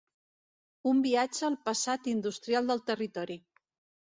Un viatge al passat industrial del territori.